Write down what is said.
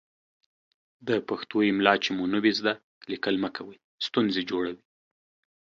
د پښتو املا چې مو نه وي ذده، ليکل مه کوئ ستونزې جوړوي.